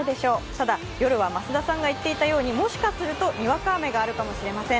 ただ夜は増田さんが言っていたようにもしかするとにわか雨があるかもしれません。